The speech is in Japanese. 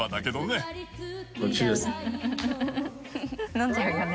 飲んじゃうよね